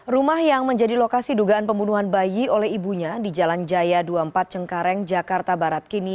rumah yang menjadi lokasi dugaan pembunuhan bayi oleh ibunya di jalan jaya dua puluh empat cengkareng jakarta barat kini